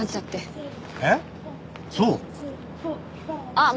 あっ！